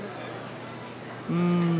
うん。